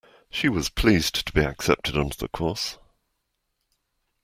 She was pleased to be accepted onto the course